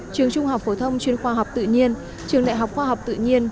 trường trung học phổ thông chuyên khoa học tự nhiên trường đại học khoa học tự nhiên